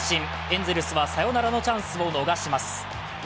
エンゼルスはサヨナラのチャンスを逃します。